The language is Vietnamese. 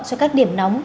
cho các điểm nóng